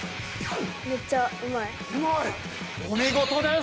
お見事です！